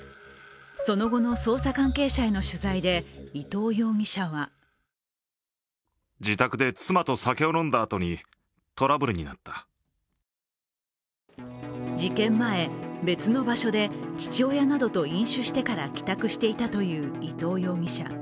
その後の捜査関係者への取材で伊藤容疑者は事件前、別の場所で父親などと飲酒してから帰宅していたという伊藤容疑者。